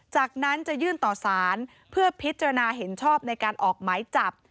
จากนั้นจะยื่นต่อสารเพื่อพิจารณาเห็นชอบในการออกหมายจับ